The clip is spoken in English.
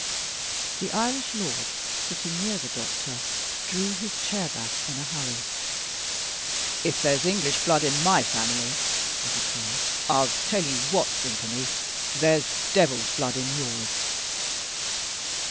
The Irish lord, sitting near the doctor, drew his chair back in a hurry. "If there's English blood in my family," he declared, "I'll tell you what, Vimpany, there's devil's blood in yours!"